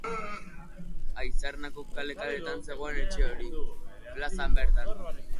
Aizarnako kale-kalean zegoen etxe hori; plazan bertan.